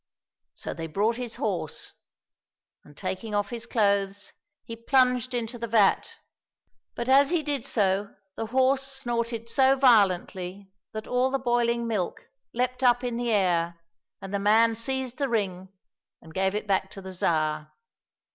" So they brought his horse, and, taking off his clothes, he plunged into the vat, but as he did so the horse snorted so violently that all the boiling milk leaped up in the air and the man seized the ring and gave it back to the Tsar.